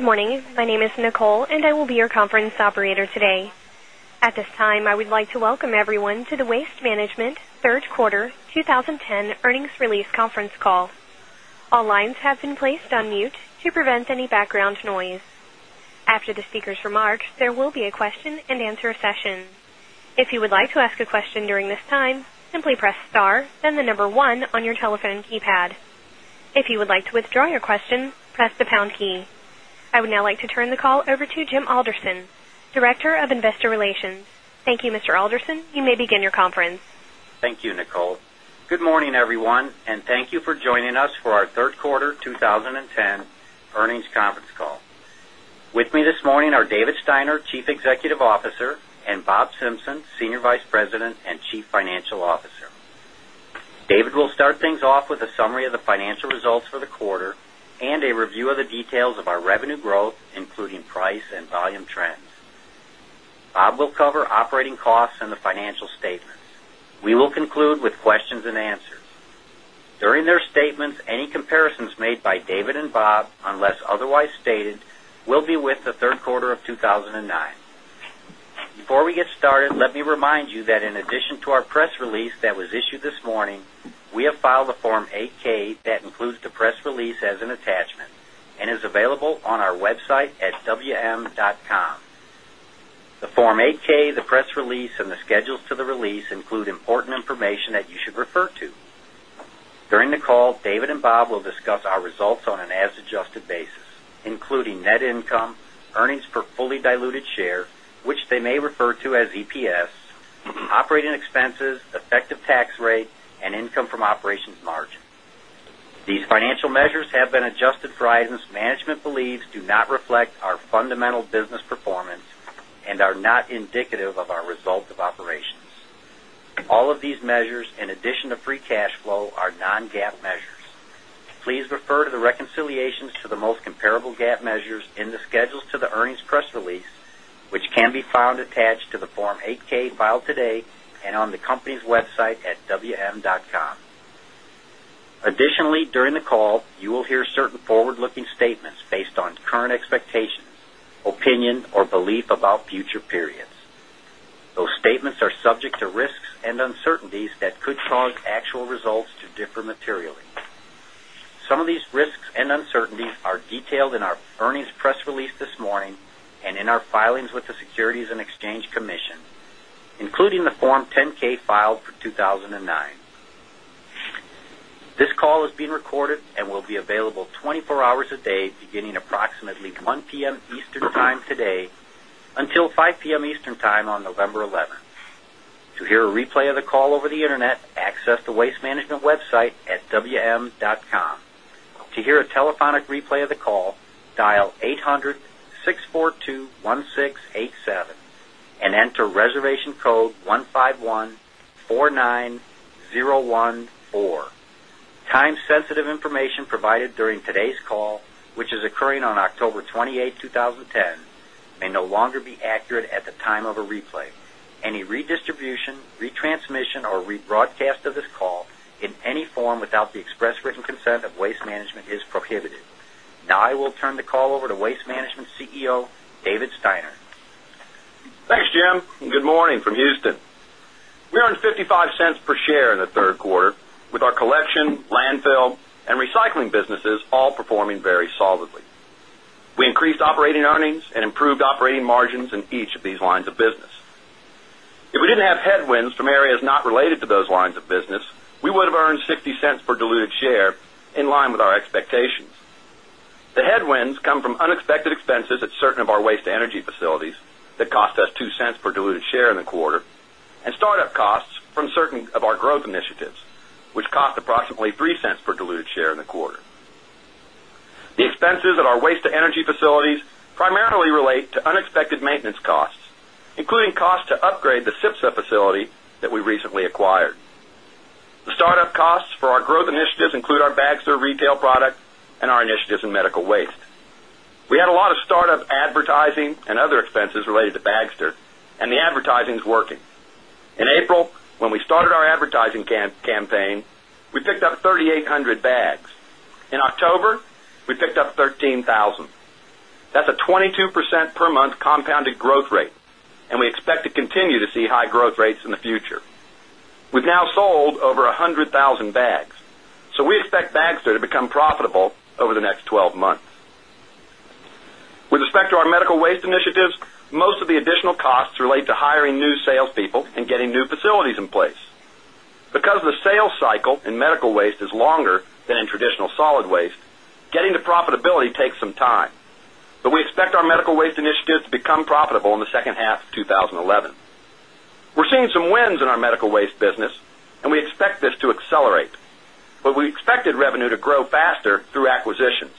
Morning. My name is Nicole, and I will be your conference operator today. At this time, I would like to welcome everyone to the Waste Management Third Quarter 2010 Earnings Release Conference Call. All lines have been placed on mute to prevent any background noise. After the speakers' remarks, there will be a question and answer session. I would now like to turn the call over to Jim Alderson, Director of Investor Relations. Thank you, Mr. Alderson. You may begin your conference. Thank you, Nicole. Good morning, everyone, and thank you for joining us for our Q3 2010 earnings conference call. With me this morning are David Steiner, Chief Executive Officer and Bob Simpson, Senior Vice President and Chief Financial Officer. David will start things off with a summary of the financial results for the quarter and a review of the details of our revenue growth, including price and volume trends. Bob will cover operating costs and the financial statements. We will conclude with questions and answers. During their statements, any comparisons made by David and Bob, unless otherwise stated, will be with the Q3 of 2009. Before we get started, let me remind you that in addition to our press release that was issued this morning, we have filed a Form 8 ks that includes the press release as an attachment and is available on our website atwm.com. The Form 8 ks, the press release and the schedules to the release include important information that you should refer to. During the call, David and Bob will discuss our results on an as adjusted basis, including net income, earnings per fully diluted share, which they may refer to as EPS, operating expenses, effective tax rate and income from operations margin. These financial measures have been adjusted for Ryzen's management believes do not reflect our fundamental business performance and are not indicative of our results of operations. All of these measures in addition to free cash flow are non GAAP measures. Please refer to the reconciliations to the most comparable GAAP measures in the schedules to the earnings press release, which can be found attached to the Form 8 ks filed today and on the company's website at wm.com. Additionally, during the call, you will hear certain forward looking statements based on current expectations, opinion or belief about future uncertainties are detailed in our earnings press release this morning and in our filings with the Securities and Exchange Commission, including the Form 10 ks filed for 2,009. This call is being recorded and will be available 24 hours a day beginning approximately 1 p. M. Eastern Time today until 5 pm Eastern Time on November 11. To hear a replay of the call over the Internet, access the Waste Management website at wm.com. To hear a telephonic replay of the call, dial 800-642-1687 and enter reservation code 151 49,014. Time sensitive information provided during today's call, which is occurring on October 28, 2010, may no longer be accurate at the time of a replay. Any redistribution, retransmission or rebroadcast of this call in any form without the express written consent of Waste Management is prohibited. Now, I will turn the call over to Waste Management's CEO, David Steiner. Thanks, Jim, and good morning from Houston. We earned $0.55 per share in the Q3 with our collection, landfill and recycling businesses all performing very solidly. We increased operating earnings and improved operating margins in each of these lines of business. If we didn't have headwinds from areas not related to those lines of business, we would have earned $0.60 per diluted share in line with our expectations. The headwinds come from unexpected expenses at certain of our waste energy facilities that cost us $0.02 per diluted share in the quarter and startup costs from certain of our growth initiatives, which cost approximately $0.03 per diluted share in the quarter. The expenses at our waste to energy facilities primarily relate to unexpected maintenance costs, including cost to upgrade the Cipse facility that we recently acquired. The startup costs for our growth initiatives include our Baxter retail product and our initiatives in medical waste. We had a lot of startup advertising and other expenses related to Baxter and the advertising is working. In April, when we started our advertising campaign, we picked up 3,800 bags. In October, we picked up 13,000. That's a 22% per month compounded growth rate and we expect to continue to see high growth rates in the future. We've now sold over 100,000 bags. So we expect Bags to become profitable over the next 12 months. With respect to our medical waste initiatives, most of the additional costs relate to hiring new salespeople and getting new facilities in place. Because the sales cycle in medical waste is longer than in traditional solid waste, getting to profitability takes some time. But we expect our medical waste initiatives to become profitable in the second half of twenty eleven. We're seeing some wins in our medical waste business and we expect this to accelerate, but we expected revenue to grow faster through acquisitions.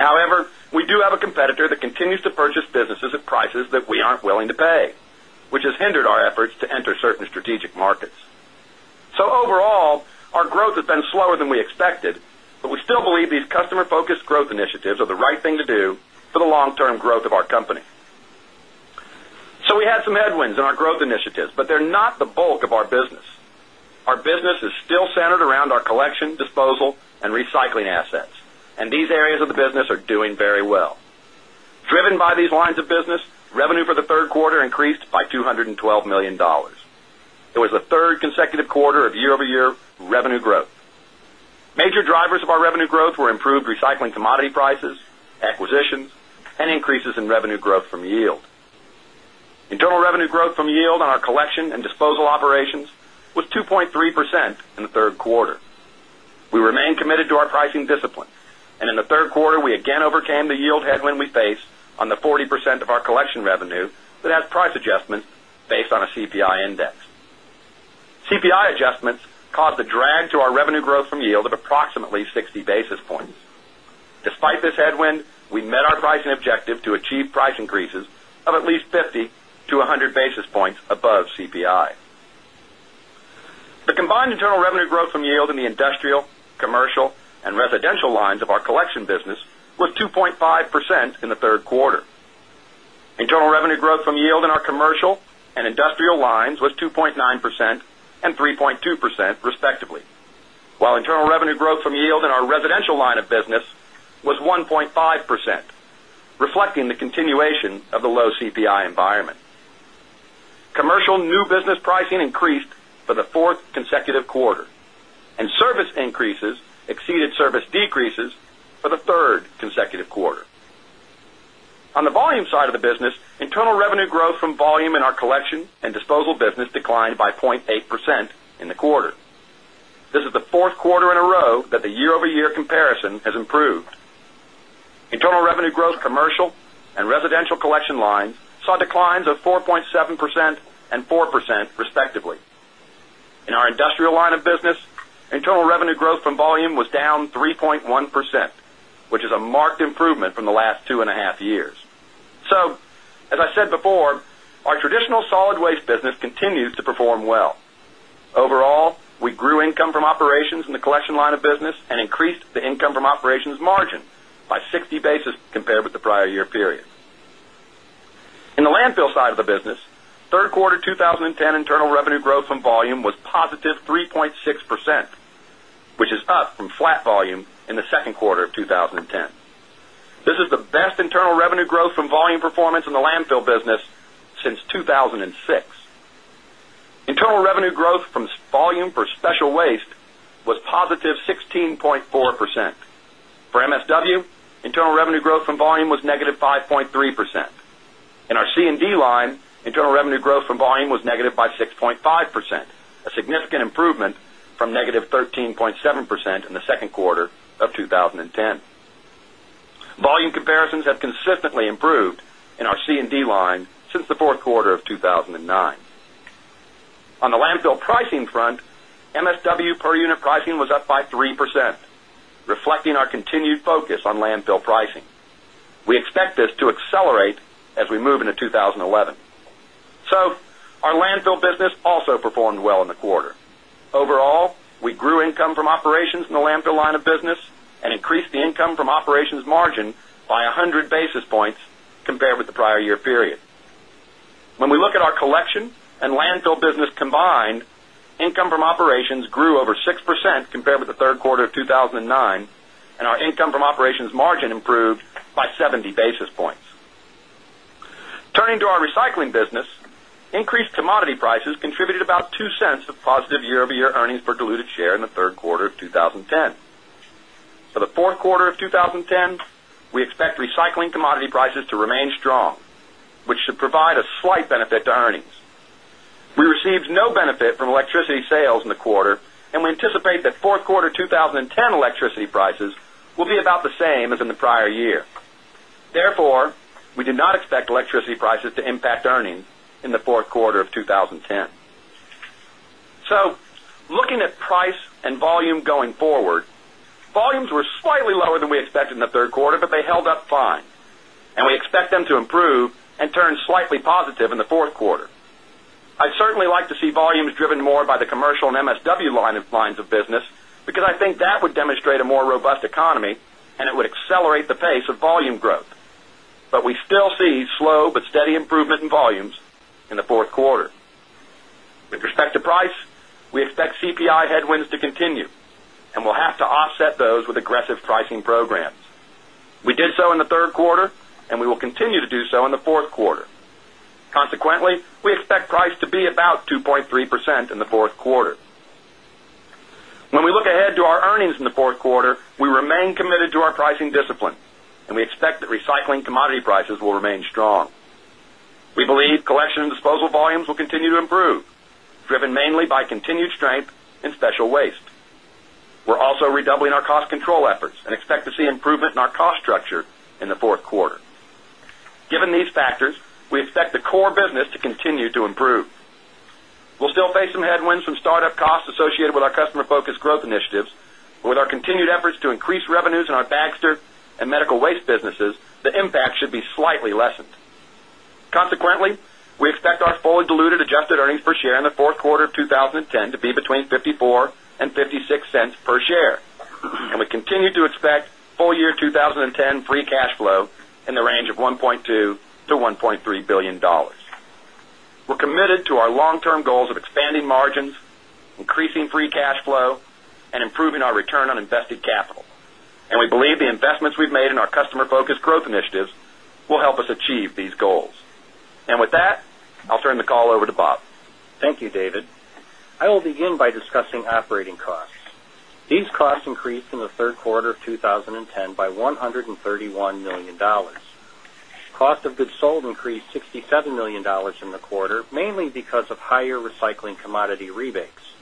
However, we do have a competitor that continues to purchase businesses at prices that we aren't willing to pay, which has hindered our efforts to enter certain strategic markets. So overall, our growth has been slower than we expected, but we still believe these customer focused growth initiatives are the right thing to do for the long term growth of our company. So we had some headwinds in our growth initiatives, but they're not the bulk of our business. Our business is still centered around our collection, disposal and recycling assets and these areas of the business are doing very well. Driven by these lines of business, revenue for the Q3 increased by $212,000,000 It was the 3rd consecutive quarter of year over year revenue growth. Major drivers of our revenue growth were improved recycling commodity prices, acquisitions and increases in revenue growth from yield. Internal revenue growth from yield on our collection and disposal operations was 2.3% in the 3rd quarter. We remain committed to our pricing discipline and in the 3rd quarter, we again overcame the yield headwind we faced on the 40% of our collection revenue that has price adjustments based on a CPI index. CPI adjustments caused a drag to our revenue growth from yield of approximately 60 basis points. Despite this headwind, we met our pricing objective to achieve price increases of at least 50 to 100 basis points above CPI. The combined internal revenue growth from yield in the industrial, commercial and residential lines of our collection business was 2.5% in the 3rd quarter. Internal revenue growth from yield in our commercial and industrial lines was 2.9% and 3.2% respectively, while internal revenue growth from yield in our residential line of business was 1.5%, reflecting the continuation of the low CPI environment. Commercial new business pricing increased for the 4th consecutive quarter and service increases exceeded service decreases for the 3rd consecutive quarter. On the volume side of the business, internal revenue growth from volume in our collection and disposal business declined by 0.8% in the quarter. This is the 4th quarter in a row that the year over year comparison has improved. Internal revenue growth in commercial and residential collection lines saw declines of 4.7% and 4%, respectively. In our industrial line of business, internal revenue growth from volume was down 3.1%, which is a marked improvement from the last 2.5 years. So as I said before, our traditional solid waste business continues to perform well. Overall, we grew income from operations in the collection line of business and increased the income from operations margin by 60 basis compared with the prior year period. In the landfill side of the business, Q3 2010 internal revenue growth from volume was positive 3.6%, which is up from flat volume in the Q2 of 2010. This is the best internal revenue growth from volume performance in the landfill business since 2006. Internal revenue growth from volume for special waste was positive 16.4%. For MSW, internal revenue growth from volume was negative 5.3%. In our C and D line, internal revenue growth from volume was negative by 6.5%, a significant improvement from negative 13.7% in the Q2 of 2010. Volume comparisons have consistently improved in our C and D line since the Q4 of 2,009. On the landfill pricing front, MSW per unit pricing was up by 3%, reflecting our continued focus on landfill pricing. We expect this to accelerate as we move into 2011. So our landfill business also performed well in the quarter. Overall, we grew income from operations in the landfill line of business and increased the income from operations margin by 100 basis points compared with the prior year period. When we look at our collection and landfill business combined, income from operations grew over 6% compared with the Q3 of 2,009 and our income from operations margin improved by 70 basis points. Turning to our recycling business, increased commodity prices contributed about $0.02 of positive year over year earnings per diluted share in the Q3 of 2010. For the Q4 of 2010, we expect recycling commodity prices to remain strong, which should provide a slight benefit to earnings. We received no benefit from electricity sales in the quarter and we anticipate that Q4 2010 electricity prices will be about the same as in the prior year. Therefore, we do not expect electricity prices to impact earnings in the Q4 of 2010. So looking at price and volume going forward, volumes were slightly lower than we expected in the 3rd quarter, but they held up fine and we expect them to improve and turn slightly positive in the 4th quarter. I'd certainly like to see volumes driven more by the commercial and MSW lines of business, because I think that would demonstrate a more robust economy and it would accelerate the pace of volume growth. But we still see slow, but steady improvement in volumes in the 4th quarter. With respect to price, we expect CPI headwinds to continue and we'll have to offset those with aggressive pricing programs. We did so in the Q3 and we will continue to do so in the Q4. Consequently, we expect price to be about 2.3% in the 4th quarter. When we look ahead to our earnings in the 4th quarter, we remain committed to our pricing discipline and we expect that recycling commodity prices will remain strong. We believe collection and disposal volumes will continue to improve, driven mainly by continued strength in special waste. We're also redoubling our cost control efforts and expect to see improvement in our cost structure in the Q4. Given these factors, we expect the core business to continue to improve. We'll still face some headwinds from startup costs associated with our customer focused growth initiatives, but with our continued efforts to increase revenues in our Baxter and Medical Waste businesses, the impact should be slightly lessened. Consequently, we expect our fully diluted adjusted earnings per share in the Q4 of 2010 to 10 to be between $0.54 $0.56 per share. And we continue to expect full year 20.10 free cash flow in the range of $1,200,000,000 to $1,300,000,000 We're committed to our long term goals of expanding margins, increasing free cash flow and improving our return on invested capital. And we believe the investments we've made in our customer focused growth initiatives will help us achieve these goals. And with that, I'll turn the call over to Bob. Thank you, David. I will begin by discussing operating costs. These costs increased in the Q3 of 2010 by $131,000,000 Cost of goods sold increased $67,000,000 in the quarter mainly because of higher recycling commodity rebates.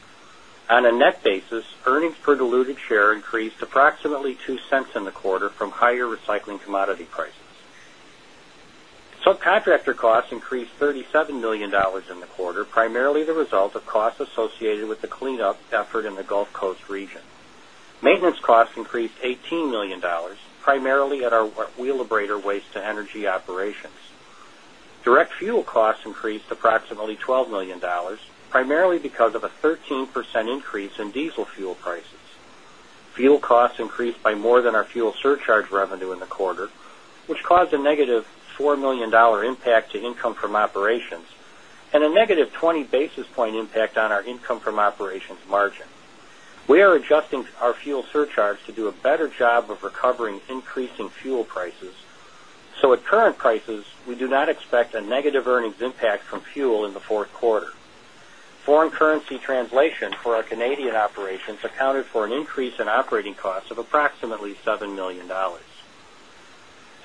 On a net basis, earnings per diluted share increased approximately $0.02 in the quarter from higher recycling commodity prices. Subcontractor costs increased $37,000,000 in the quarter, primarily the result of costs associated with the cleanup effort in the Gulf Coast region. Maintenance costs increased $18,000,000 primarily at our wheel abrader waste to energy operations. Direct fuel costs increased approximately $12,000,000 primarily because of a 13% increase in diesel fuel prices. Fuel costs increased by more than our fuel surcharge revenue in the quarter, which caused a negative $4,000,000 impact to income from operations and a negative 20 basis point impact on our income from operations margin. We are adjusting our fuel surcharge to do a better job of recovering increasing fuel prices. So at current prices, we do not expect a negative earnings impact from fuel in the Q4. Foreign currency translation for our Canadian operations accounted for an increase in operating costs of approximately $7,000,000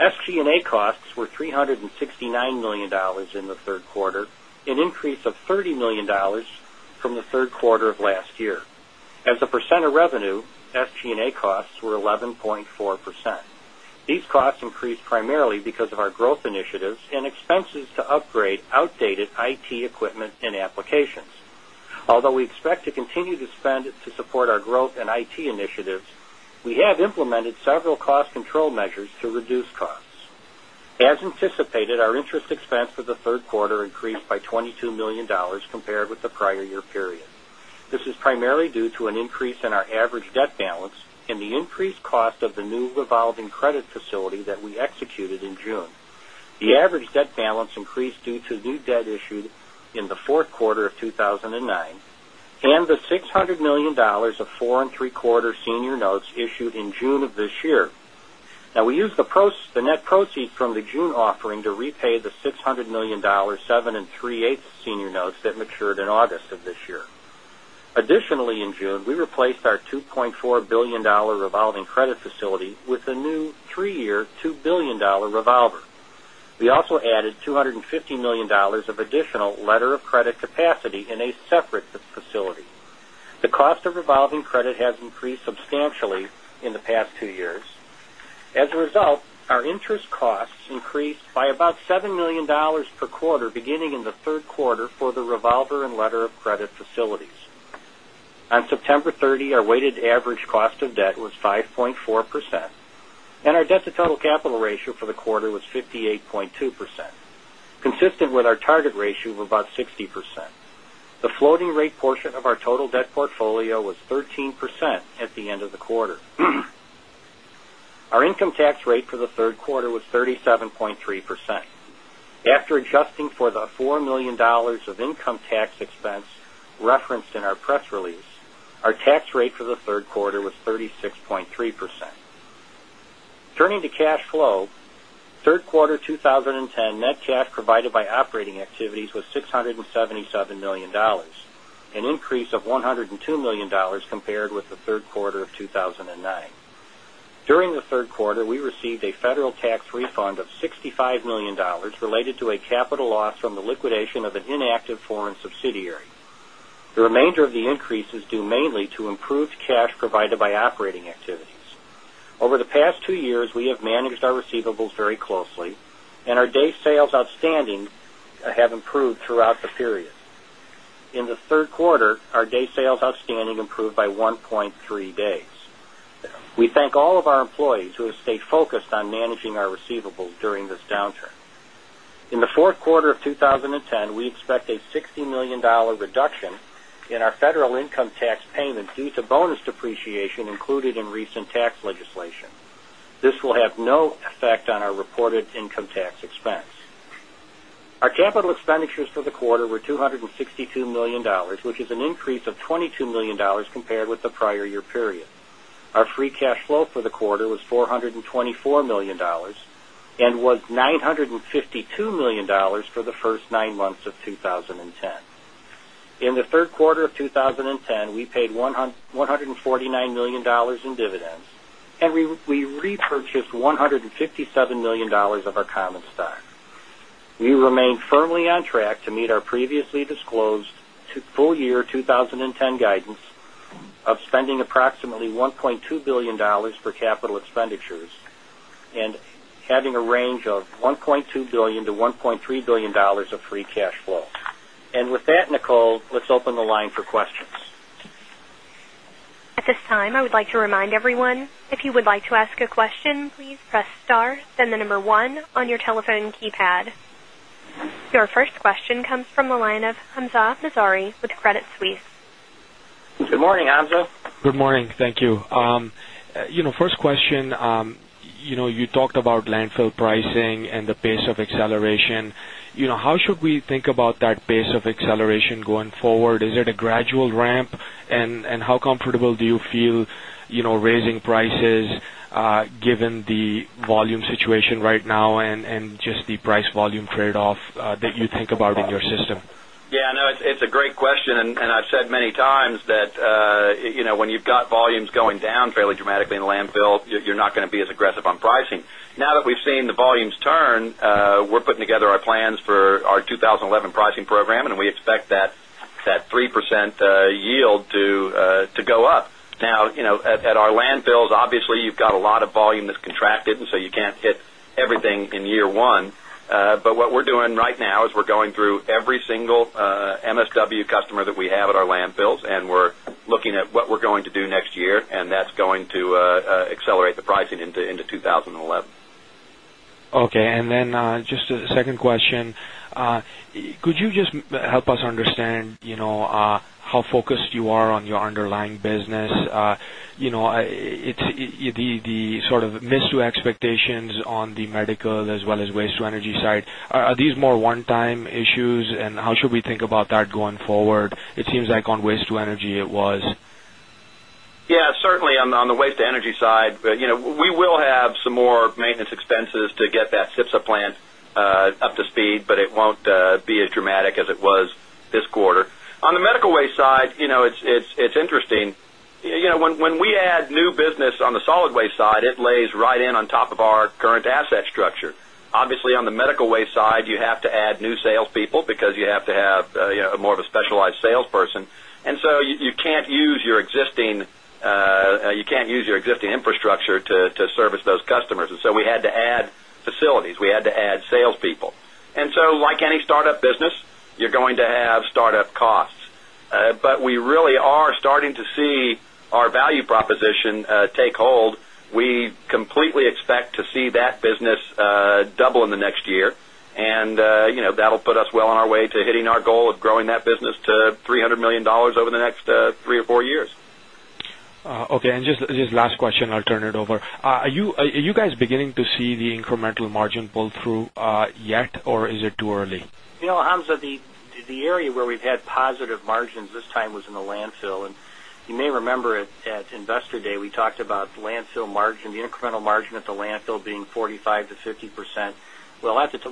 SG and A costs were $369,000,000 in the 3rd quarter, an increase of $30,000,000 from the Q3 of last year. As a percent of revenue, SG and A costs were 11.4%. These costs increased primarily because of our growth initiatives and expenses to upgrade outdated IT equipment and applications. Although we expect to continue to spend to support our growth in IT initiatives, we have implemented several cost control measures to reduce costs. As anticipated, our interest expense for the 3rd quarter increased by $22,000,000 compared with the prior year period. This is primarily due to an increase in our average debt balance and the increased cost of the new revolving credit facility that we executed in June. The average debt balance increased due to new debt issued in the Q4 of 2009 and the $600,000,000 of 4.75 senior notes issued in June of this year. Now we use the net proceeds from the June offering to repay the $600,000,000 7.38% senior notes that matured in August of this year. Additionally, in June, we replaced our $2,400,000,000 revolving credit facility with a new 3 year $2,000,000,000 revolver. We also added $250,000,000 of additional letter of credit capacity in a separate facility. The cost of revolving credit has increased substantially in the past 2 years. As a result, our interest costs increased by about $7,000,000 per quarter beginning in Q3 for the revolver and letter of credit facilities. On September 30, our weighted average cost of debt was 5.4 percent and our debt to total capital ratio for the quarter was 58 point 2%, consistent with our target ratio of about 60%. The floating rate portion of our total debt portfolio was 13% at the end of the quarter. Our income tax rate for the 3rd quarter was 37.3%. After adjusting for the $4,000,000 of income tax expense referenced in our press release, our tax rate for the 3rd quarter was 36.3%. Turning to cash flow, Q3 2010 net cash provided by operating activities was 6.77 $1,000,000 an increase of $102,000,000 compared with the Q3 of 2,009. During the Q3, we received a federal tax refund of $65,000,000 related to a capital loss from the liquidation of an inactive foreign subsidiary. The remainder of the increase is due mainly to improved cash provided by operating activities. Over the past 2 years, we have managed our receivables very closely and our day sales outstanding have improved throughout the period. In the Q3, our day sales outstanding improved by 1.3 days. We thank all of our employees who have stayed focused on managing our receivables during this downturn. In the Q4 of 2010, we expect 10, we expect a $60,000,000 reduction in our federal income tax payment due to bonus depreciation included in recent tax legislation. This will have no effect on our reported income tax expense. Our capital expenditures for the quarter were $262,000,000 which is an increase of $22,000,000 compared with the prior year period. Our free cash flow for the quarter was $424,000,000 and was $952,000,000 for the 1st 9 months of 2010. In the Q3 of 2010, we paid $149,000,000 in dividends and we repurchased $157,000,000 of our common stock. We remain firmly on track to meet our previously disclosed full year 20 10 guidance of spending approximately 1,200,000,000 for capital expenditures and having a range of $1,200,000,000 to $1,300,000,000 of free cash flow. And with that, Nicole, let's open the line for questions. Your first question comes from the line of Hamzah Mazari with Credit Suisse. Good morning, Hamzah. Good morning. Thank you. First question, you talked about landfill pricing and the pace of acceleration. How should we think about that pace of acceleration going forward? Is it a gradual ramp? And how comfortable do you feel raising prices given the volume situation right now and just the price volume trade off that you think about in your system? Yes. I know it's a great question and I've said many times that when you've got volumes going down fairly dramatically in landfill, you're not going to be as aggressive on pricing. Now that we've seen the volumes turn, we're putting together our plans for our 2011 pricing program and we expect that 3% yield to go up. Now at our landfills, obviously, you've got a lot of volume that's contracted and so you can't hit everything in year 1. But what we're doing right now is we're going through every single MSW customer that we have at our landfills and we're looking at what we're going to do next year and that's going to accelerate the pricing into 2011. Okay. And then just a second question, could you just help us understand how focused you are on your underlying business? The sort of missed expectations on the medical as well as waste to energy side, are these more one time issues? And how should we think about that going forward? It seems like on waste to energy it was. Yes, certainly on the waste to energy side, we will have some more maintenance expenses to get that SIFSA plant up to speed, but it won't be as dramatic as it was this quarter. On the medical waste side, it's interesting. Interesting. When we add new business on the solid waste side, it lays right in on top of our current asset structure. Obviously, on the medical waste side, you have to add new salespeople because you have to have more of a side, you have to add new salespeople because you have to have more of a specialized salesperson. And so you can't use your existing infrastructure to service those customers. And so we had to add facilities. We had to add salespeople. And so like any startup business, you're going to have startup costs. But we really are starting to see our value proposition take hold. We completely expect to see that business double in the next year and that'll put us well on our way to hitting our goal of growing that business to $300,000,000 over the next 3 or 4 years. Okay. And just last question, I'll turn it over. Are you guys beginning to see the incremental margin pull through yet or is it too early? Hamzah, the area where we've had positive margins this time was in the landfill. And you may remember at Investor Day, we talked about landfill margin, the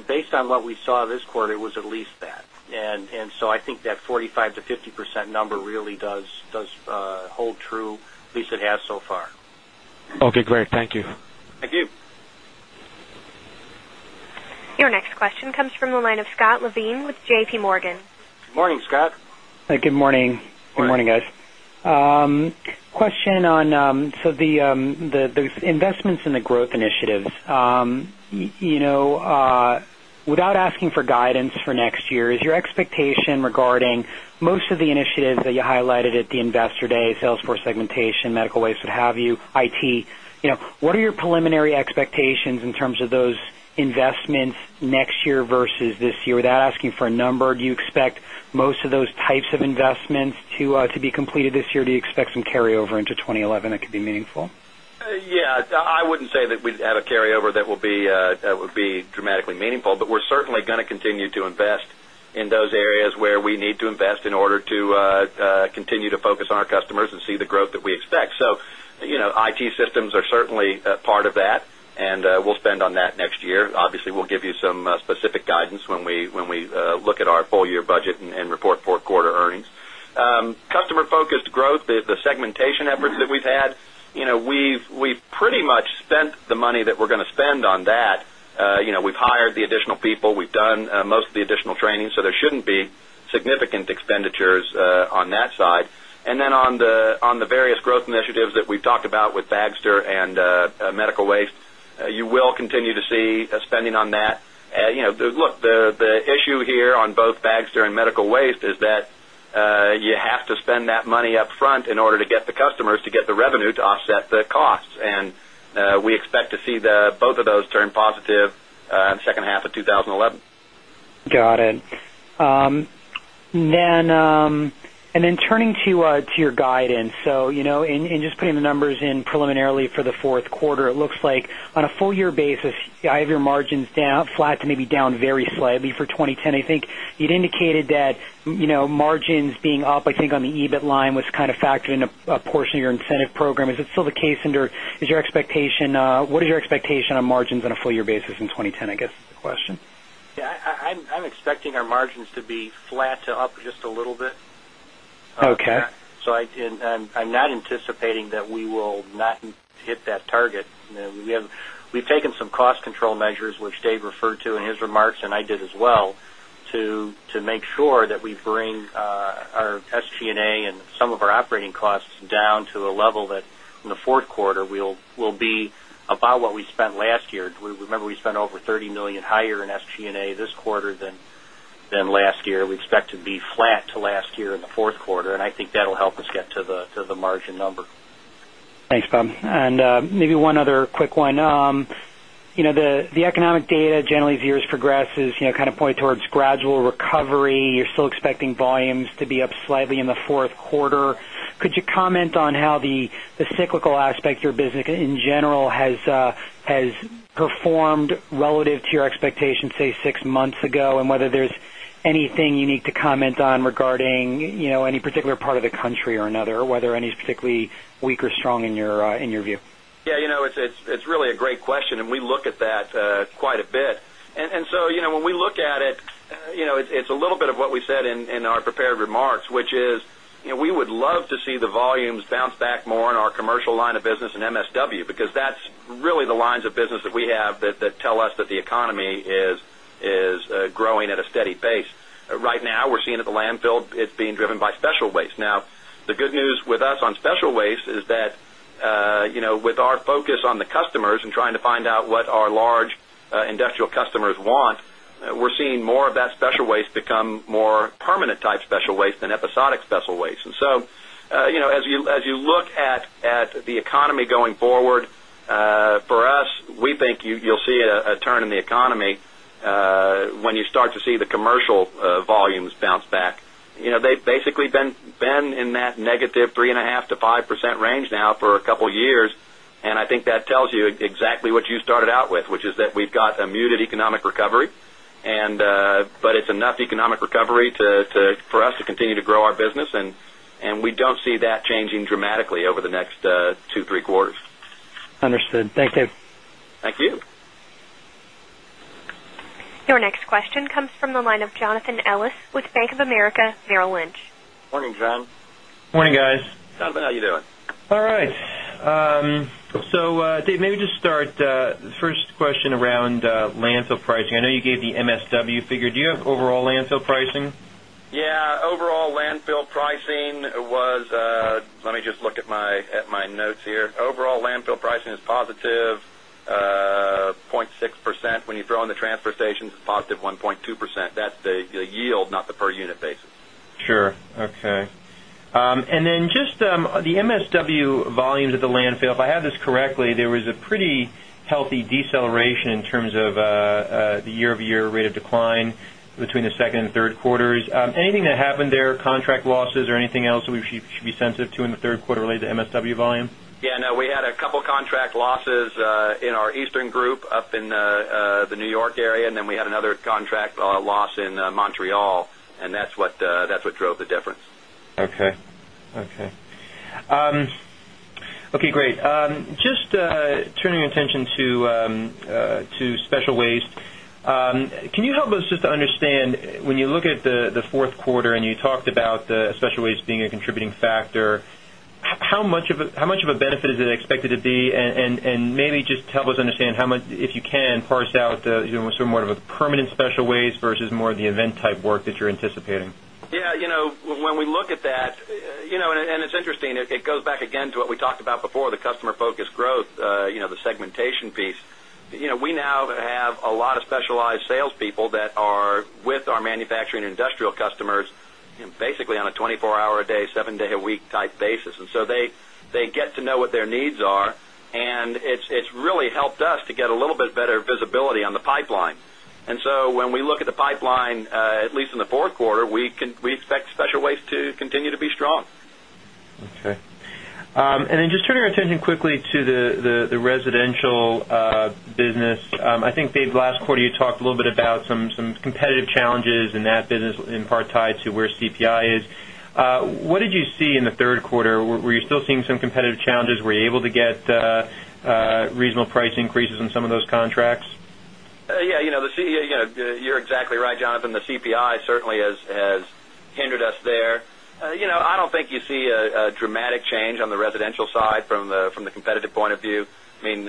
based on what we saw this quarter was at least that. And so I think that 5% to 50% number really does hold true, at least it has so far. Okay, great. Thank you. Thank you. Your next question comes from the line of Scott Levine with JPMorgan. Good morning, Scott. Hi, good morning. Good morning, guys. Question on so the investments in the growth initiatives, without asking for guidance for next year, is your expectation regarding most of the initiatives that you highlighted at the Investor Day, sales force segmentation, medical waste, what have you, IT. What are your preliminary expectations in terms of those investments next year versus this year? Without asking for a number, do you expect most of those types of investments to be completed this year? Do you expect some carryover into 2011 that could be meaningful? Yes. I wouldn't say that we'd have a carryover that would be dramatically meaningful, but we're certainly going to continue to invest in those areas where we need to invest in order to continue to focus on our customers and see the growth that we expect. So IT systems are certainly part of that and we'll spend on that next year. Obviously, we'll give you some specific guidance when we look at our full year budget and report 4th quarter earnings. Customer focused growth, the segmentation efforts that we've had, we've pretty much spent the money that we're going to spend on that. We've hired the additional people. We've done most of the additional training. So there shouldn't be significant expenditures on that side. And then on the various growth initiatives that we've talked about with Baxter and Medical Waste, you will continue to see spending on that. Look, the issue here on both Baxter and Medical Waste is that you have to spend that money upfront in order to get the customers to get the revenue to offset the costs. And we expect to see both of those turn positive in the second half of twenty eleven. Got it. And then turning to your guidance. So, and just putting the numbers in preliminarily for the Q4, it looks like on a full year basis, I have your margins down flat to maybe down very slightly for 2010. I think you'd indicated that margins being up, I think on the EBIT line was kind of factored in a portion of your incentive program. Is it still the case under is your expectation what is your expectation on margins on a full year basis in 2010, I guess, is the question? Yes, I'm expecting our margins to be flat to up just a little bit. Okay. So I'm not anticipating that we will not hit that target. We've taken some cost control measures, which Dave referred to in his remarks and I did as well to make sure that we bring our SG and A and some of our operating costs down to a level that in the Q4 we'll be about what we spent last year. Remember we spent over $30,000,000 higher in SG and A this quarter than last year. We expect to be flat to last year in Q4 and I think that will help us get to the margin number. Thanks, Bob. And maybe one other quick one. The economic data generally as years progresses kind of point towards gradual recovery. You're still expecting volumes to be up slightly in the Q4. Could you comment on how the cyclical aspect of your business in general has performed relative to your expectations say 6 months ago and whether there's anything you need to comment on regarding any particular part of the country or another or whether any is particularly weak or strong in your view? Yes. It's really a great question and we look at that quite a bit. And so when we look at it, it's a little bit of what we said in our prepared remarks, which is we would love to see the volumes bounce back more in our commercial line of business in MSW because that's really the lines of business that we have that tell us that the economy is growing at a steady pace. Right now, we're seeing at the landfill, it's being driven by special waste. Now the good news with us on special waste is that with our focus on the customers and trying to find out what our large industrial customers want, we're seeing more of that special waste become more permanent type special waste than episodic special waste. And so as you look at the economy going forward, for us, we think you'll see a turn in the economy when you start to see the commercial volumes bounce back. They've basically been in that negative 3.5% to 5% range now for a couple of years. And I think that tells you exactly what you started out with, which is that we've got a muted economic recovery and but it's enough economic recovery for us to continue to grow our business and we don't see that changing dramatically over the next 2, 3 quarters. Understood. Thank you. Thank you. Your next question comes from the line of Jonathan Ellis with Bank of America Merrill Lynch. Good So Dave, maybe just start the first question around landfill pricing. I know you gave the MSW figure. Do you have overall landfill pricing? Yes. Overall landfill pricing was let me just look at my positive 0.6% when you throw in the transfer stations, it's positive 1.2%. That's the yield, not the per unit basis. Sure. Okay. And then just on the MSW volumes at the landfill, if I have this correctly, there was a pretty healthy deceleration in terms of the year over year rate of decline between the 2nd and third quarters. Anything that happened there, contract losses or anything else we should be sensitive to in the Q3 related to MSW volume? Yes. No, we had a couple of contract losses in our Eastern Group up in the New York area and then we had another contract loss in Montreal and that's what drove the difference. Okay, okay. Great. Just turning your attention to special waste. Can you help us just to understand when you look at the Q4 and you talked about the special waste being a contributing factor, how much of a benefit is it expected to be? And maybe just help us understand how much if you can parse out some more of a permanent special ways versus more of the event type work that you're anticipating? Yes. When we look at that and it's interesting, it goes back again to what we talked about before, the customer focused growth, the segmentation piece. We now have a lot of specialized sales people that are with our manufacturing and industrial customers, basically on a 24 hour a day, 7 day a week type basis. And so they get to know what their needs are. And it's really helped us to get a little bit better visibility on the pipeline. And so when we look at the pipeline, at least in the Q4, we expect special waste continue to be strong. Okay. And then just turning our attention quickly to the residential business. I think, Dave, last quarter, you talked a little bit about some competitive challenges in that business in part tied to where CPI is. What did you see in the Q3? Were you still seeing some competitive challenges? Were you able to get reasonable price increases in some of those contracts? Yes. You're exactly right, Jonathan. The CPI certainly has hindered us there. I don't think you see a dramatic change on the residential side from the competitive point of view. I mean,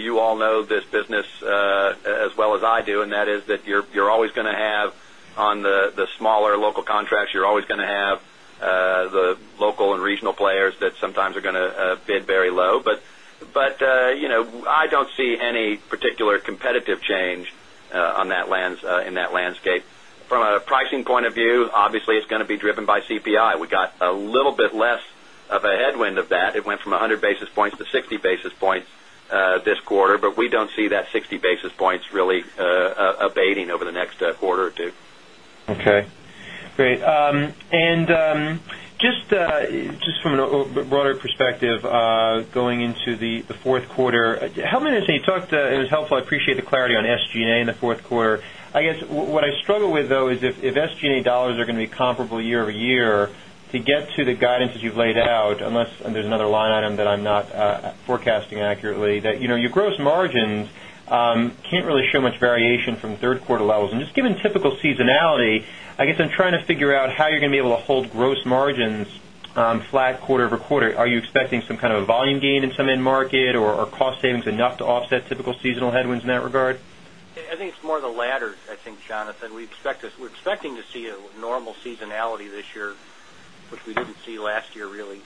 you all know this business as well as I do and that is that you're always going to have on the smaller local contracts, you're always going to have the local and regional players that sometimes are going to bid very low. But I don't see any particular competitive change on that lands in that landscape. From a pricing point of view, obviously, it's going to be driven by CPI. We got a little bit less of a headwind of that. It went from 100 basis points to 60 basis points this quarter, but we don't see that 60 basis points really abating over the next quarter or 2. Okay, great. And just from a broader perspective, going into the 4th quarter, Helman, you talked it was helpful. I appreciate the clarity on SG and A in the 4th quarter. I guess what I struggle with though is if SG and A dollars are going to be comparable year over year to get to the guidance that you've laid out unless there's another line item that I'm not forecasting accurately that your gross margins can't really show much variation from 3rd quarter levels. And just given typical seasonality, I guess I'm trying to figure out how you're going to be able to hold gross margins flat quarter over quarter. Are you expecting some kind of a volume gain in some end market or cost savings enough to offset typical seasonal headwinds in that regard? I think it's more of the latter, I think, Jonathan. We expect to we're expecting to see a normal seasonality this year, which we see last year really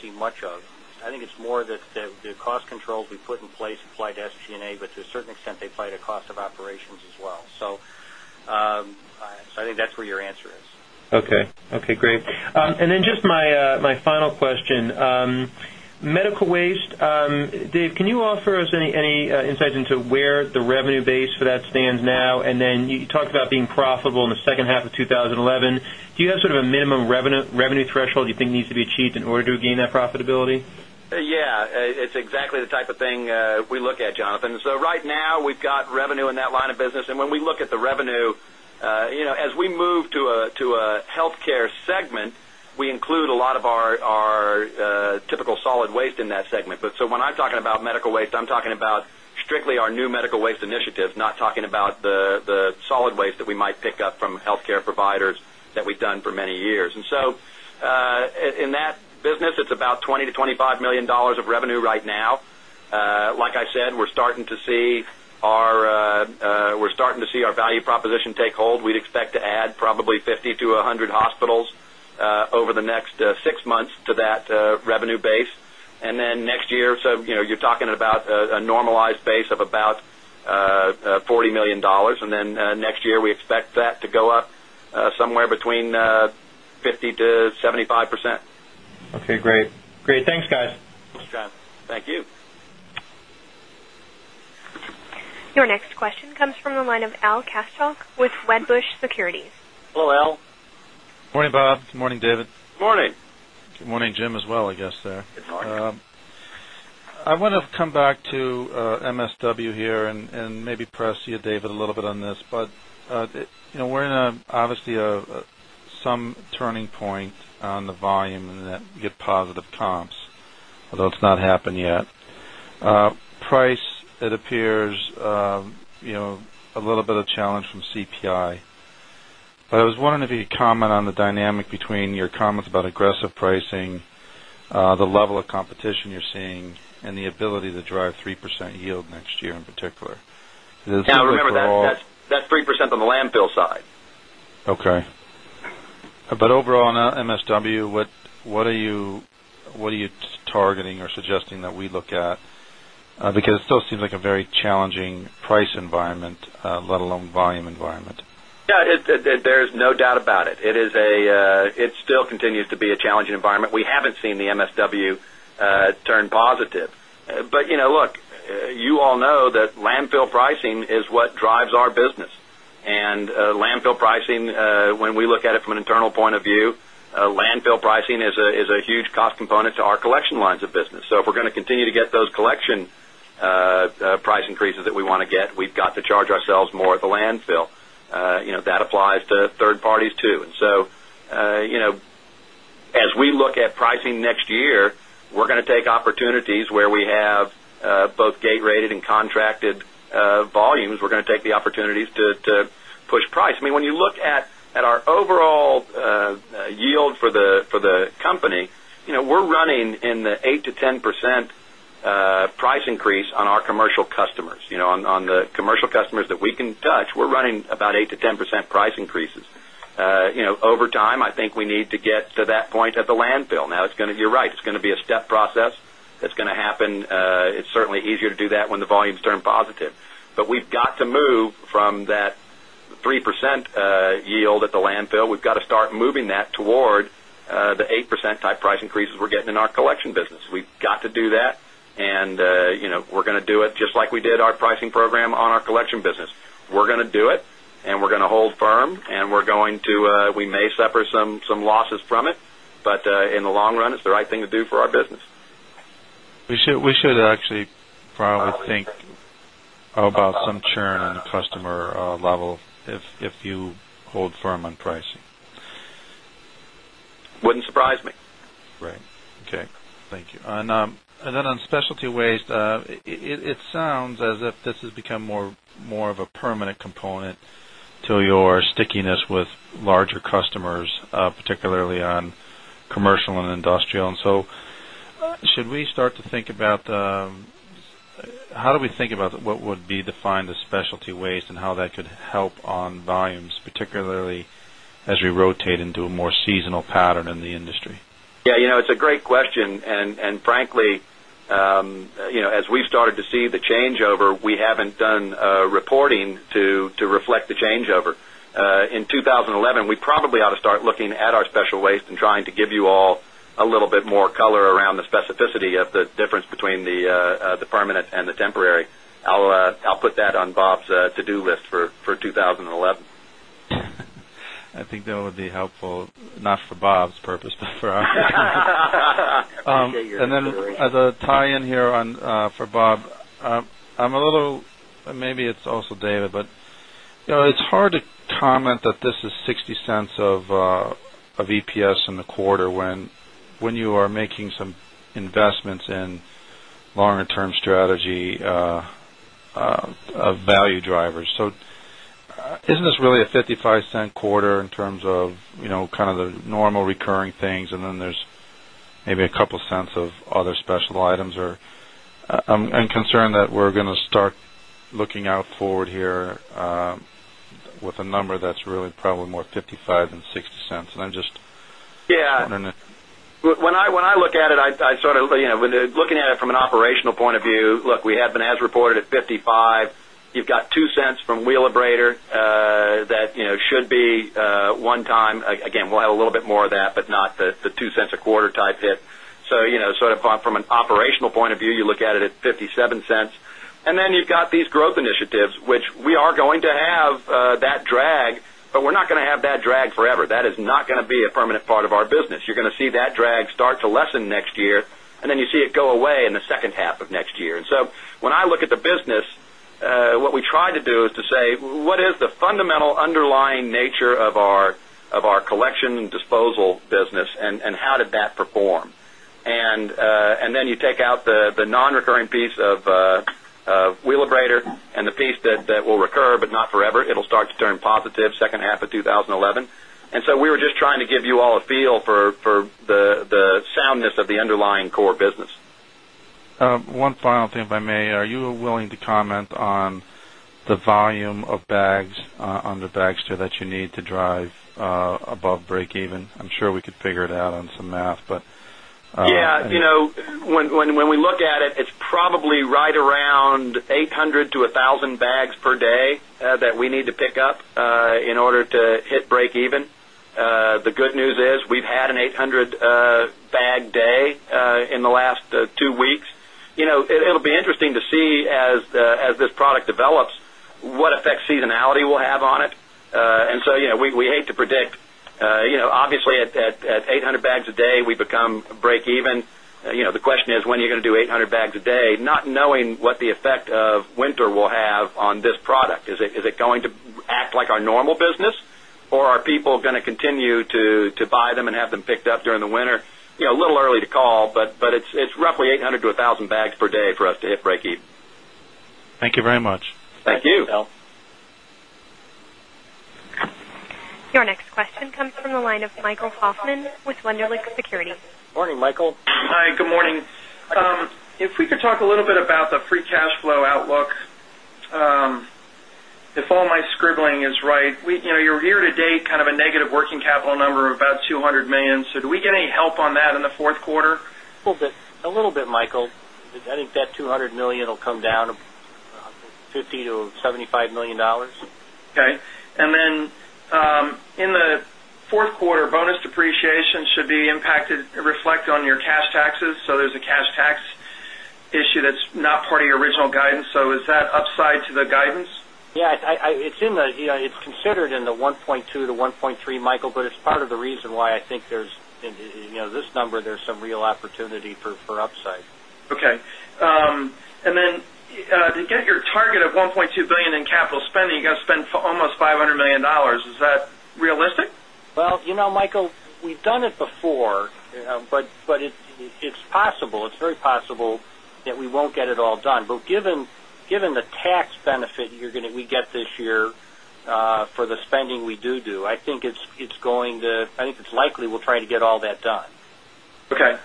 see much of. I think it's more that the cost controls we put in place apply to SG and A, but to a certain extent they play to cost of operations as well. So I think that's where your answer is. Okay, great. And then just my final question. Medical Waste, Dave, can you offer us any insights into where the revenue base for that stands now? And then you talked about being profitable in the second half of twenty eleven. Do you have sort of a minimum revenue threshold you think needs to be achieved in order to gain that profitability? Yes. It's exactly the type of thing we look at, Jonathan. So right now, we've got revenue in that line of business. And when we look at the revenue, as we move to a healthcare segment, we include a lot of our typical solid waste in that segment. But so when I'm talking about medical waste, I'm talking about waste, I'm talking about strictly our new medical waste initiatives, not talking about the solid waste that we might pick up from health care providers that we've done for many years. And so in that business, it's about $20,000,000 to $25,000,000 of revenue right now. Like I said, we're starting to see our we're starting to see our value proposition take hold. We'd expect to add probably 50 to 100 hospitals over the next 6 months to that revenue base. And then next year, so you're talking about a normalized base of about $40,000,000 Then next year, we expect that to go up somewhere between 50% to 75%. Okay, great. Great. Thanks guys. Thanks, Travis. Thank you. Your next question comes from the line of Al Kapschalk with Wedbush Securities. Hello, Al. Good morning, Bob. Good morning, David. Good morning. Good morning, Jim as well, I guess there. Good morning. I want to come back to MSW here and maybe press you, David, a little bit on this. But we're in obviously some turning point on the volume and that we get positive comps, although it's not happened yet. Price, it appears a little bit of challenge from CPI. But I was wondering if you could comment on the dynamic between your comments about aggressive pricing, the level of competition you're seeing and the ability to drive 3% yield next year in particular? Now remember that that's 3% on the landfill side. Okay. But overall on MSW, what are you targeting or suggesting that we look at? Because it still seems like a very challenging price environment, let alone volume environment. Positive. But look, you all know that landfill pricing is what drives our business. And landfill pricing, when we look at it from an internal point of view, landfill pricing is a huge cost component to our collection lines of business. So if we're going to continue to get those collection price increases that we want to get. We've got to charge ourselves more at the landfill. That applies to 3rd parties too. And so as we look at pricing next year, we're going to take opportunities where we have both gate rated and contracted volumes. We're going to take the opportunities to push price. I mean, when you look at our overall yield for the company, we're running in the 8% to 10% price increase on our commercial customers. On the commercial customers that we can touch, we're running about 8% to 10% price increases. Over time, I think we need to get to that point at the landfill. Now it's going to you're right, it's going to be a step process that's going to happen. It's certainly easier to do that when the volumes turn positive. But we've got to move from that 3% yield at the landfill. We've got to start moving that toward the 8% type price increases we're getting in our collection business. We've got to do that. And we're going to do it just like did our pricing program on our collection business. We're going to do it and we're going to hold firm and we're going to we may suffer some losses from it, but in the long run, it's the right thing to do for our business. We should actually probably think about some churn in customer level if you hold firm on pricing. Wouldn't surprise me. Right. Okay. Thank you. And then on specialty waste, it sounds as if this has become more of a permanent component to your stickiness with larger customers, particularly on commercial and industrial. And so should we start to think about how do we think about what would be defined as specialty waste and how that could help on volumes, particularly as we rotate into a more seasonal pattern in the industry? Yes, it's a great question. And frankly, as we started to see the changeover, we haven't done reporting to reflect the changeover. In 2011, we probably ought to start looking at our special waste and trying to give you all a little bit more color around the specificity of the difference between the permanent and the temporary. I'll put that on Bob's to do list for 2011. I think that would be helpful, not for Bob's purpose, but for us. And then as a tie in here on for Bob, I'm a little maybe it's also David, but it's hard to comment that this is $0.60 of EPS in the quarter when you are making some investments in longer term strategy of value drivers. So isn't this really a $0.55 quarter in terms of kind of the normal recurring things and then there's maybe a couple of cents of other special items or I'm concerned that we're going to start looking out forward here with a number that's really probably more $0.55 $0.60 And I'm just wondering Yes. When I look at it, I sort of looking at it from operational point of view, look, we have been as reported at $0.55 You've got $0.02 from wheel abrader that should be one time. Again, we'll have a little bit more of that, but not the $0.02 a quarter type hit. So sort of from an operational point of view, you look at it at 0 point 5 $7 dollars And then you've got these growth initiatives, which we are going to have that drag, but we're not going to have that drag forever. That is not going to be a permanent part of our business. You're going to see that drag start to lessen next year and then you see it go away in the second half of next year. And so when I look at the business, what we try to do is to say, what is the fundamental underlying nature of our collection disposal business and how did that perform? And then you take out the non recurring piece of wheeler breeder and the piece that will recur, but not forever. It will start to turn positive second half of twenty eleven. And so we were just trying to give you all a feel for the soundness of the underlying core business. One final thing, if I may. Are you willing to comment on the volume of bags on the Bagster that you need to drive above breakeven? I'm sure we could figure it out on some math, but Yes. When we look at it, it's probably right around 800 to 1,000 bags per day that we need to pick up in order to hit breakeven. The good news is we've had an 800 bag day in the last 2 weeks. It will be interesting to see as this product develops, what effect seasonality will have on it. And so, we hate to predict, obviously, at 800 bags a day, we become breakeven. The question is, when are you going to do 800 bags a day, not knowing what the effect of winter will have on this product? Is it going to act like our normal business or are people going to continue to buy them and have them picked up during the winter? A little early to call, but it's roughly 800 to 1000 bags per day for us to hit breakeven. Thank you very much. Thank you. Your next question comes from the line of Michael Hoffman with Wunderlich Securities. Good morning, Michael. Hi, good morning. If we could talk a little bit about the free cash flow outlook, If all my scribbling is right, you're year to date kind of a negative working capital number of about $200,000,000 So do we get any help on that in the Q4? A little bit, Michael. I think that $200,000,000 will come down $50,000,000 to $75,000,000 Okay. And then in the Q4, bonus depreciation should be impacted reflect on your cash taxes. So there's a cash tax issue that's not part of your original guidance. So, is that upside to the guidance? Yes, it's in the it's considered in the $1,200,000,000 to $1,300,000,000 Michael, but it's part of the reason why I think there is this number, there is some real opportunity for upside. Okay. And then to get your target of $1,200,000,000 in capital spending, you got to spend almost $500,000,000 Is that realistic? Well, Michael, we've done it before, but it's possible, it's very possible that we won't get it all done. But given the tax benefit you're going to we get this year for the spending we do, I think it's going to I think it's likely we'll try to get all that done. Okay.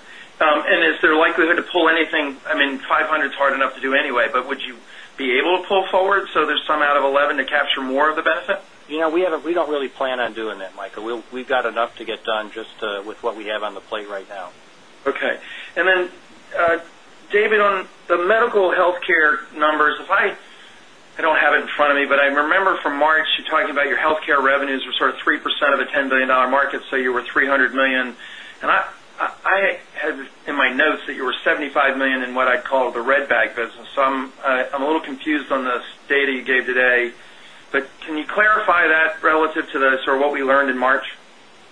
And is there likelihood to pull anything, I mean, 500 is hard enough to do anyway, but would you be able to pull forward, so there's some out of 11 to capture more of the benefit? We don't really plan on doing that, Michael. We've got enough to get done just with what we have on the plate right now. Okay. And then, David, on the medical healthcare numbers, I I don't have it in front of me, but I remember from March you're talking about your healthcare revenues were sort of 3% of a $10,000,000,000 market. So, you were 300,000,000 dollars And I have in my notes that you were $75,000,000 in what I call the red bag business. So I'm a little confused on the data you gave today. But can you clarify that relative to the sort of what we learned in March?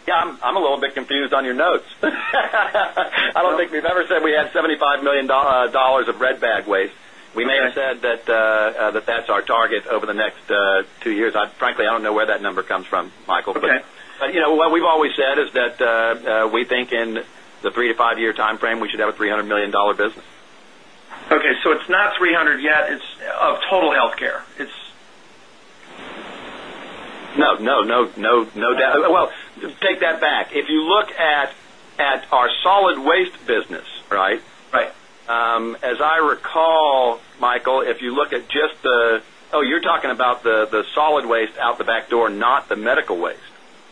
Yes, I'm a little bit confused on your notes. I don't think we've ever said we had $75,000,000 of red bag waste. We may have said that that's our target over the next 2 years. Frankly, I don't know where number comes from, Michael. Okay. But what we've always said is that we think in the 3 year to 5 year timeframe, we should have a $300,000,000 business. That back. If you look at our solid waste business, right? As I recall, Michael, if you look at just the oh, you're talking about the solid waste out the back door, not the medical waste.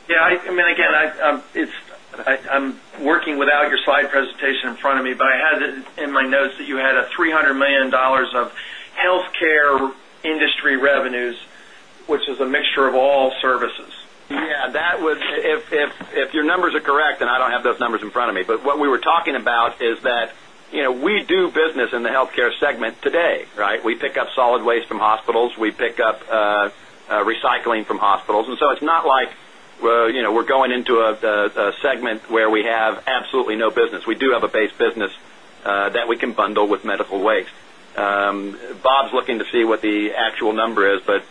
Yes. I mean, again, I'm working without your slide presentation in front of me, but I had in my notes that you had a $300,000,000 of healthcare industry revenues, which is a mixture of all services. Yes. That was if your numbers are correct, and I don't have those numbers in front of me, but what we were talking about is that we do business in the health Care segment today, right? We pick up solid waste from hospitals. We pick up recycling from hospitals. And so it's not like we're going into a segment where we have absolutely no business. We do have a base business that we can bundle with medical waste. Bob is looking to see what the actual number is, But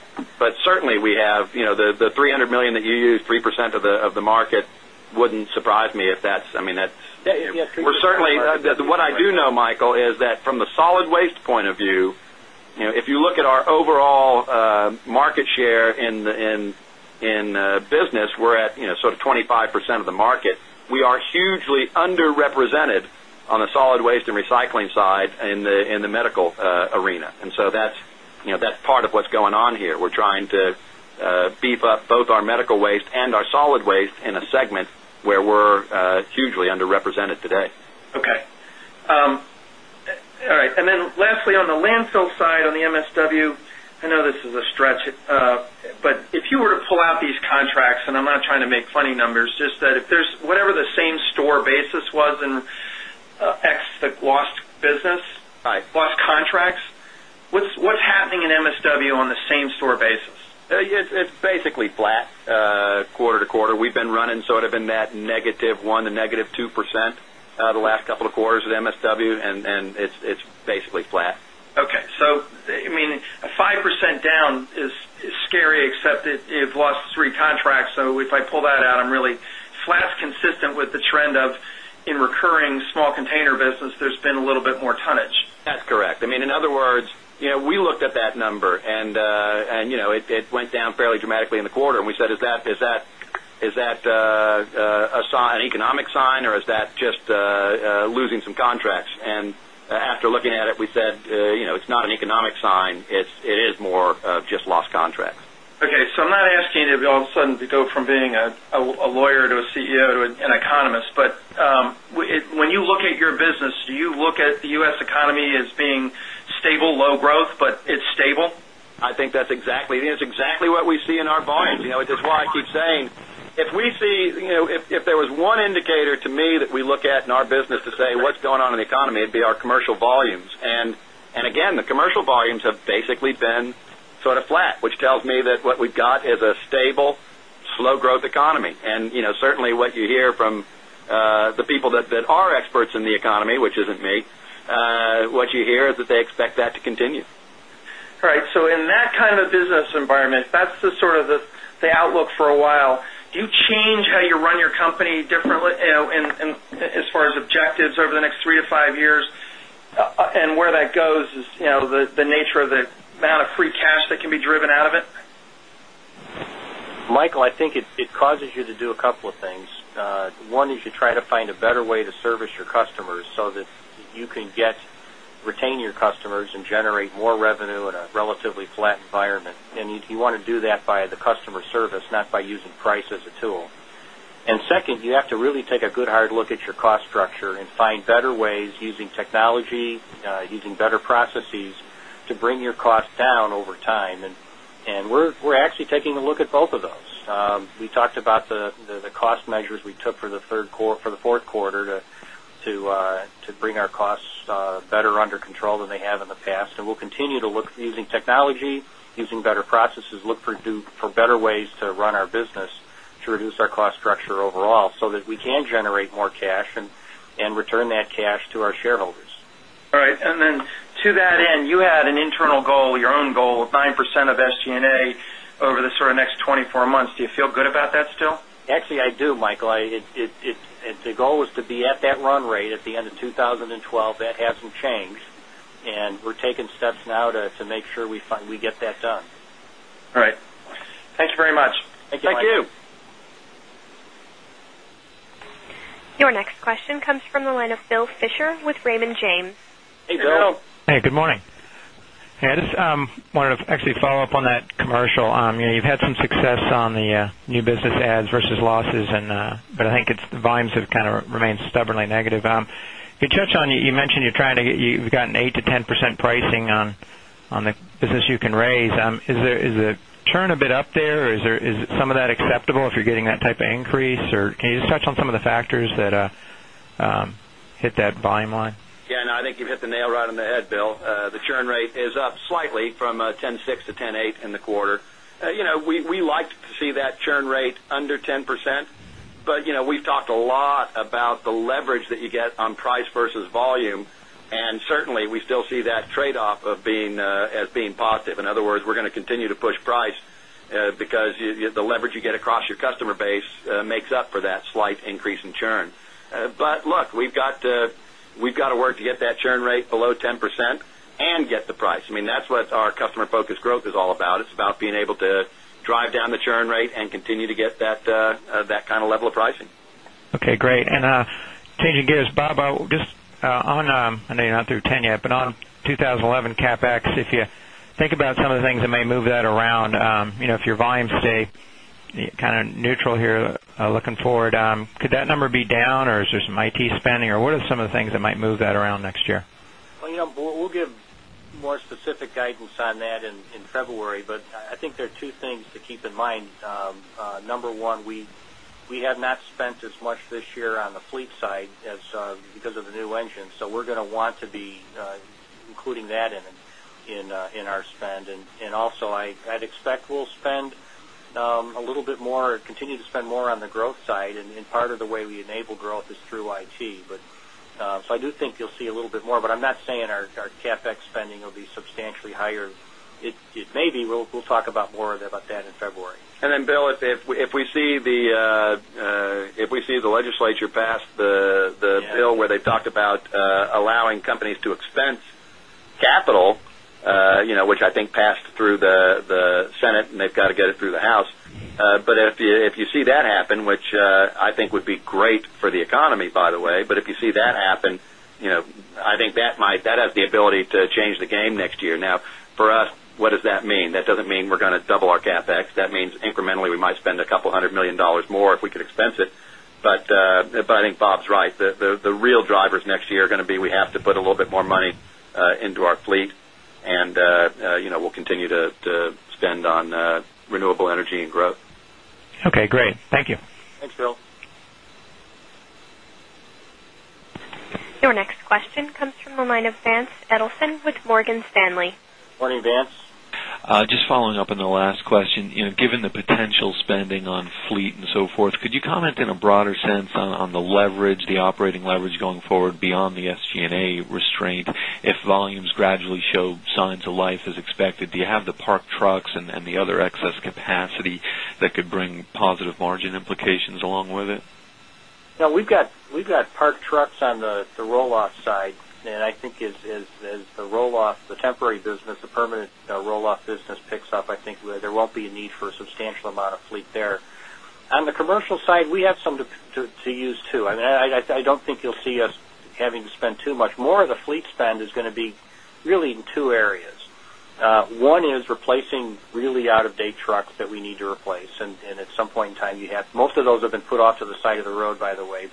certainly, we have the $300,000,000 that you use, 3% of the market wouldn't surprise me if that's I mean, that's we're certainly what I do know Michael is that from the solid waste point of view, if you look at our overall market share in business, we're at sort of 25% of the market. We are hugely underrepresented on the solid waste and recycling side in the medical arena. And so that's part of what's going on here. We're trying to beef up both our medical waste and our solid waste in a segment where we're hugely underrepresented today. Okay. All right. And then lastly, on the landfill side on the MSW, I know this is a stretch, but if you were to pull out these contracts and I'm not trying to make funny numbers, just that if there's whatever the same store basis was and ex the lost business, lost contracts, what's happening in MSW on the same store basis? It's basically flat quarter to quarter. We've been running sort of in that negative 1% to negative 2% the last couple of quarters at MSW and it's basically flat. Okay. So, I mean, a 5% down is scary, except it lost 3 contracts. So, if I pull that out, I'm really flat consistent with the trend of in recurring small container business, there's been a little bit more tonnage. That's correct. I mean, in other words, we looked at that number and it went down fairly dramatically in the quarter. And we said, is that an economic sign or is that just losing some contracts? And after looking at it, we said, it's not an economic sign. It is more of just lost contracts. So I'm not asking you to be all of a sudden to go from being a lawyer to a CEO to an economist. But when you look at your business, do you look at the U. S. Economy as being stable low growth, but it's stable? I think that's exactly it's exactly what we see in our volumes. It is I keep saying, if we see if there was one indicator to me that we look at in our business to say what's going on in the economy, it'd be our commercial volumes. And again, the commercial volumes have basically been sort of flat, which tells me that what we've got is a stable, slow growth economy. And certainly, what you hear from the people that are experts in the economy, which isn't me, what you hear is that they expect that to continue. Right. So in that kind of business environment, that's the sort of the outlook for a while. Do you change how you run your company differently as far as objectives over the next 3 to 5 years? And where that goes is the nature of the amount of free cash that can be driven out of it? Michael, I think it causes you to do a couple of things. One is you try to find a better way to service your customers so that you can get retain your customers and generate more revenue in a relatively flat environment. And you want to do that via the customer service, not by using price as a tool. And second, you have to really take a good hard look at your cost structure and find better ways using technology, using better processes to bring your costs down over time. And we're actually taking a look at both of those. We talked about the cost measures we took for the 3rd quarter for Q4 to bring our costs better under control than they have in the past and we'll continue to look using technology, using better processes, look for better ways to run our business to reduce our cost structure overall, so that we can generate more cash and return that cash to our shareholders. All right. And then to that end, you had an internal goal, your own goal of 9% of SG and A over the sort of next 24 months. Do you feel good about that still? Actually, I do, Michael. The goal was to be at that run rate at the end of 2012 that hasn't changed and we're taking steps now to make sure we get that done. All right. Thanks very much. Thank you. Your next question comes from the line of Bill Fisher with Raymond James. Hey, good morning. I just wanted to actually follow-up on that commercial. You've had some success on the new business adds versus losses, but I think it's the volumes have kind of remained stubbornly negative. You touched on you mentioned you're trying to get you've gotten 8% to 10% pricing on the business you can raise. Is the churn a bit up there? Is some of that acceptable if you're getting that type of increase? Or can you just touch on some of the factors that hit that volume line? Yes. And I think you've hit the nail right on the head, Bill. The churn rate is up slightly from 10.6% to 10.8% in the quarter. We like to see that churn rate under 10%, but we've talked a lot about the leverage that you get on price versus volume. And certainly, we still see that trade off of being as being positive. In other words, we're going to continue to push price because the leverage you get across your customer base makes up for that slight increase in churn. But look, we've got to work to get that churn rate below 10% and get the price. I mean, that's what our customer focused growth is all about. It's about being able to drive down the churn rate and continue to get that kind of level of pricing. Okay, great. And changing gears, Bob, just on I know you're not through 10 yet, but on 2011 CapEx, if you think about some of the things that may move that around, if your volumes stay kind of neutral here looking forward, could that number be down or is there some IT spending or what are some of the things that might move that around next year? We'll give more specific guidance on that in February, but I think there are 2 things to keep in mind. Number 1, we have not spent as much this year on the fleet side as because of the new engine. So we're going to want to be including that in our spend. And also I'd expect we'll spend a little bit more continue to spend more on the growth side and part of the way we enable growth is through IT. But so I do think you'll see a little bit more, but I'm not saying our CapEx spending will be substantially higher. It may be, we'll talk about more about that in February. And then Bill, if we see the legislature pass the bill where they talked about allowing companies to expense capital, which I think passed through the Senate and they've got to get it through the House. But if you see that happen, which I think would be great for the what does that mean? That doesn't mean we're going to double our CapEx. That means incrementally, we might spend a couple of $100,000,000 more if we could expense it. But I think Bob is right. The real drivers next year are going to be we have to put a little bit more money into our fleet and we'll continue to spend on renewable energy and growth. Okay, great. Thank you. Thanks, Bill. Your next question comes from the line of Vance Edelson with Morgan Stanley. Good morning, Vance. Just following up on the last question, given the potential spending on fleet and so forth, could you comment in a broader sense on the leverage, the operating leverage going forward beyond the SG and A restraint if volumes gradually show signs of life as expected? Do you have the park trucks and the other excess capacity that could bring positive margin implications along with it? No, we've got parked trucks on the roll off side. And I think as the roll off, the temporary business, the permanent roll off business picks up, I think there won't be a need for a substantial amount of fleet there. On the commercial side, we have some to use too. I mean, I don't think you'll see us having to spend too much more of the fleet spend is going to be really in 2 areas. One is replacing really out of date trucks that we need to replace and at some point in time you have most of those have been put off to the side of the road by the way,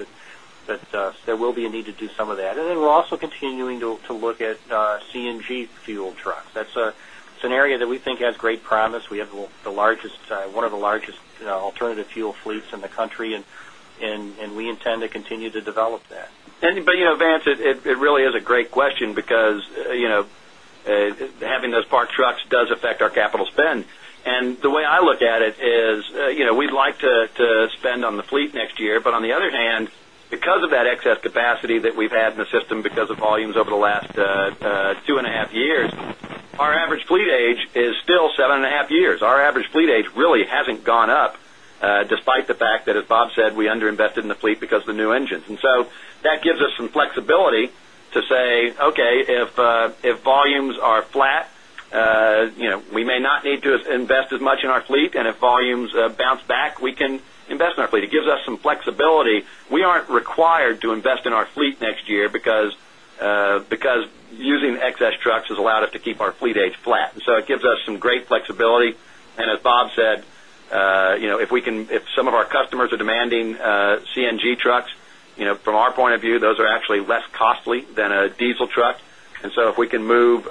but there will be a need to do some of that. And then we're also continuing to look at CNG fuel trucks. That's a scenario that we think has look at CNG fuel trucks. That's a scenario that we think has great promise. We have the largest one of the largest alternative fuel fleets in the country and we intend to continue to develop that. But Vance, it really is a great question because having those parked trucks does affect our capital spend. And the way I look at it is, we'd like to spend on the fleet next year. But on the other hand, because of that excess capacity that we've had in the system because of volumes over the last two and a half years, our average fleet age is still 7.5 years. Our average fleet age really hasn't gone up despite the fact that as Bob said, we underinvested in the fleet because of the new engines. And so that gives us some flexibility to say, okay, if volumes are flat, we may not need to invest as much in our fleet. And if volumes bounce back, we can invest in our fleet. It gives us some flexibility. We aren't required to invest in our fleet next year because using excess trucks has allowed us to keep our fleet age flat. And so it gives us some great flexibility. And as Bob said, if we can if some of our customers are demanding CNG trucks, from our point of view, those are actually less costly than a diesel truck. And so if we can move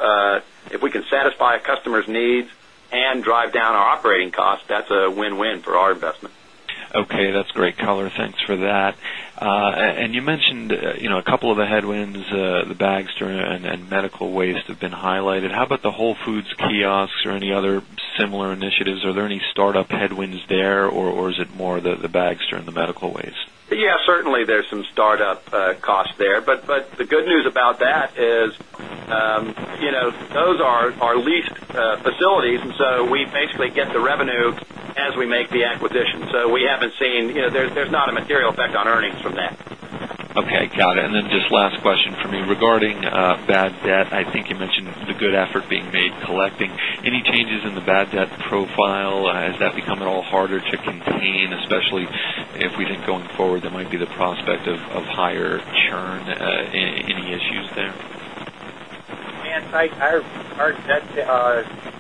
if we can satisfy a customer's needs and drive down our operating costs, that's a win win for our investment. Okay, that's great color. Thanks for that. And you mentioned a couple of the headwinds, the Bags and medical waste have been highlighted. How about the Whole Foods kiosks or any other similar initiatives? Are there any startup headwinds there? Or is it more the Bagster and the medical waste? Yes, certainly there's some start up costs there. But the good news about that is those are our leased facilities and so we basically get the revenue as we make the acquisition. So we haven't seen there's not a material effect on earnings from that. Okay, got it. And then just last question for me regarding bad debt. I think you mentioned the good effort being made collecting. Any changes in the bad debt profile? Has that become at all harder to contain, especially if we think going forward there might be the prospect of higher churn, any issues there? And our debt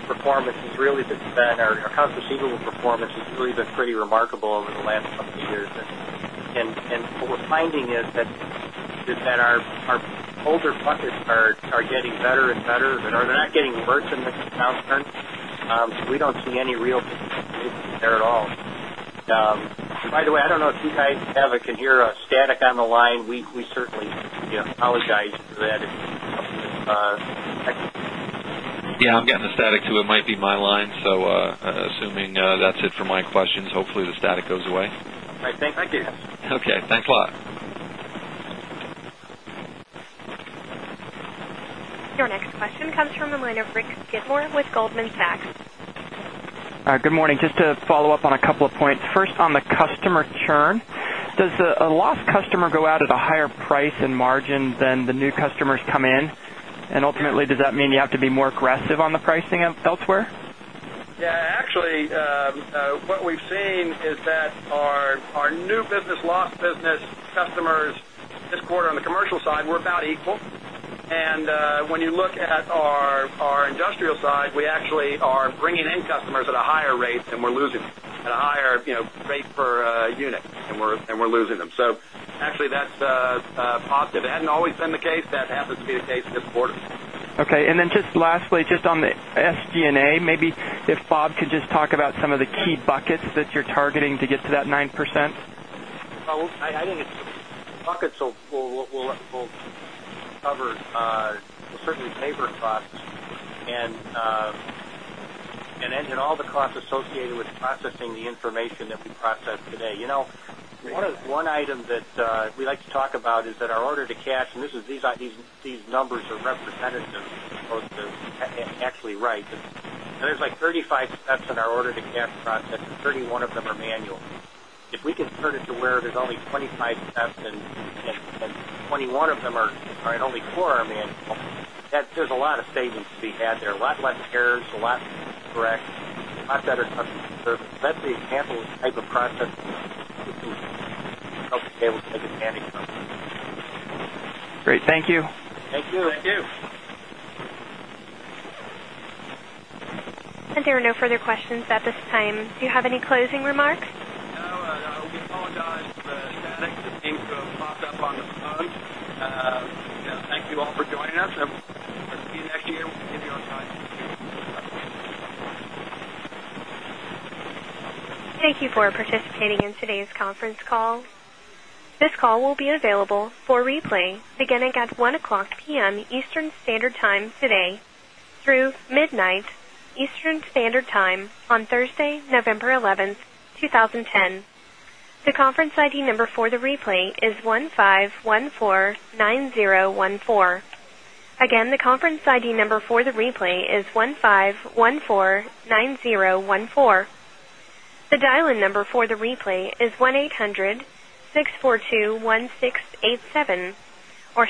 performance has really been our accounts receivable performance has really been pretty remarkable over the last couple of years. And what we're finding is that our older buckets are getting better and better and are they not getting worse in this downturn. We don't see any real change there at all. By the way, I don't know if you guys have a can hear a static on the line. We certainly apologize for that. Yes, I'm getting the static too. It might be my line. So assuming that's it for my questions. Hopefully the static goes away. All right. Thank you. Okay. Thanks a lot. Your next question comes from the line of Rick Skidmore with Goldman Sachs. Good morning. Just a follow-up on a couple of points. First on the customer churn, does a lost customer go out at a higher price and margin than the new customers come in? And ultimately, does that mean you have to be more aggressive on the pricing elsewhere? Yes. Actually, what we've seen is that our new business loss business customers this quarter on the commercial side were about equal. And when you look at our industrial side, we actually are bringing in customers at a higher rate than we're losing at a higher rate per unit and we're losing them. So actually that's positive. It hasn't always been the case. That has been the case this quarter. Okay. And then just lastly, just on the SG and A, maybe if Bob could just talk about some of the key buckets cover certainly the labor costs and cover certainly favor costs and all the costs associated with processing the information that we process today. One item that we like to talk about is that our order to cash and this is these numbers are representative as opposed to actually right. And there's like 35 steps in our order to cash process, 31 of them are manual. If we can turn it to where there is only 25 steps and 21 of them are only 4 that there's a lot of statements to be had there, a lot less errors, a lot correct, a lot better. That's the example type of process And there are no further questions at this time. Do you have any closing remarks? No, I apologize for static and ink of mock up on the phone. Thank you all for joining us. Thank you for participating in today's conference call. This call will be available for replay beginning at 1 o'clock p. M. Eastern Standard Time today through midnight Eastern Standard Time on Thursday, November 11, 2010. The conference ID number for the replay is 15,149,014. Again, the conference ID number for the replay is 15,149, 014. The dial in number for the replay is 1-eight hundred-six forty two-six forty two-six eighty seven or